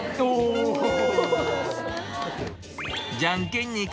じゃんけんぽい。